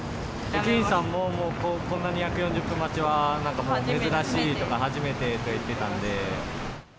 駅員さんも、もうこんな２４０分待ちはなんかもう、珍しいとか、初めてと言っ